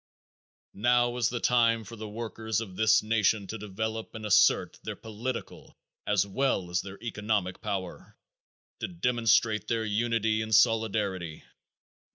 Now is the time for the workers of this nation to develop and assert their political as well as their economic power, to demonstrate their unity and solidarity.